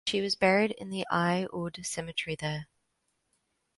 She was buried in the Al Oud cemetery there.